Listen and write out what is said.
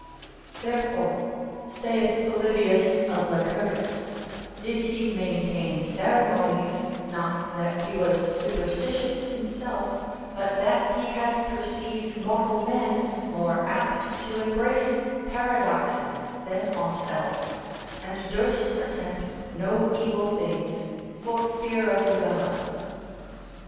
Therefore (saith Polybius of Lycurgus), did he maintain ceremonies, not that he was superstitious himself, but that he had perceived mortal men more apt to embrace paradoxes than aught else, and durst attempt no evil things for fear of the gods.